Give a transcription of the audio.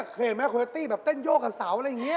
เคยเห็นไหมโคโยตี้แบบเต้นโยกกับเสาอะไรอย่างนี้